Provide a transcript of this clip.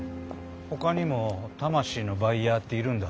他にも魂のバイヤーっているんだ。